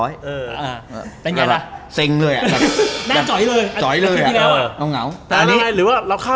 อยากมาล่ะ